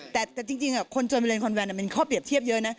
แต่จริงคนจนไปเรียนคอนแวนมันข้อเปรียบเทียบเยอะนะ